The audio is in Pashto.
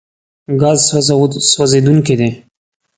ګاز سوځېدونکی دی.